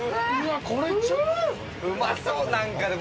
うまそう、なんかでも。